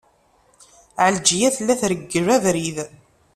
Ɛelǧiya tella treggel abrid.